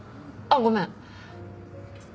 あっごめん。